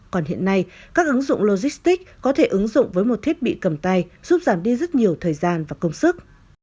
còn hiện nay các ứng dụng logistics có thể ứng dụng với một thiết bị cầm tay giúp giảm đi rất nhiều thời gian và công sức